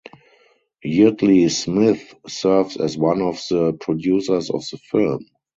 Yeardley Smith serves as one of the producers of the film.